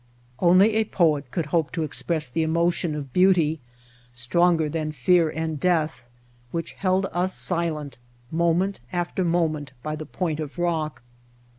Only a poet could Entering Death Valley hope to express the emotion of beauty stronger than fear and death which held us silent moment after moment by the point of rock.